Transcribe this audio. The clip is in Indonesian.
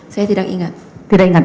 saya tidak ingat